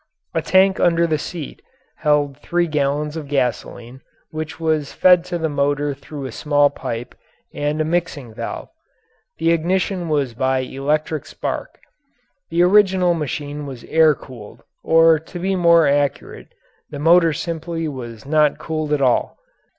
A tank under the seat held three gallons of gasoline which was fed to the motor through a small pipe and a mixing valve. The ignition was by electric spark. The original machine was air cooled or to be more accurate, the motor simply was not cooled at all.